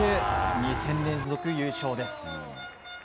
２戦連続優勝です。